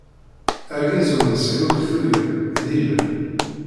Argaz ur nesɛi uktuyen, d ilem.